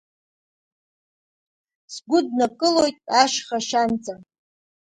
Сгәыднакылоит ашьха шьанҵа…